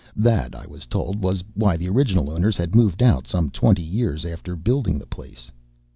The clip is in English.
That, I was told, was why the original owners had moved out some twenty years after building the place.